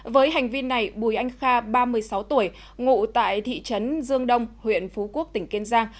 với hành vi này bùi anh kha ba mươi sáu tuổi ngụ tại thị trấn dương đông huyện phú quốc tỉnh kiên giang